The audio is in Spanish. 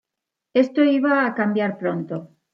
Esto iba a cambiar pronto.